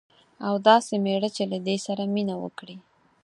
او داسي میړه چې له دې سره مینه وکړي